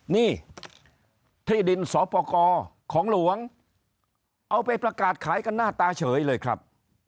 นี่ที่ดินสอปกรของหลวงเอาไปประกาศขายกันหน้าตาเฉยเลยครับ